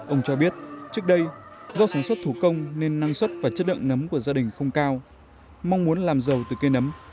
ông cho biết trước đây do sản xuất thủ công nên năng suất và chất lượng nấm của gia đình không cao mong muốn làm giàu từ cây nấm